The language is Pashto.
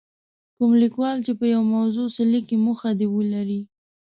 کوم لیکوال چې په یوې موضوع څه لیکي موخه دې ولري.